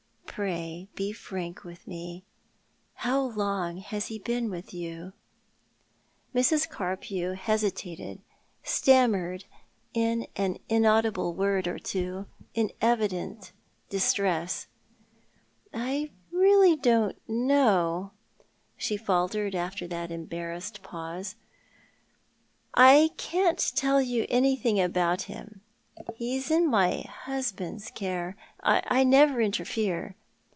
" Pray be frank with me. How long has he been with you ?" Mrs. Carpew hesitated, stammered an inaudible word or two, in evident distress. "So luc but meet not part againr 229 (( I really don't know," she faltered, after that embarrassed pause, "I can't tell you anything about him. He is in my husband's care. I never interfere.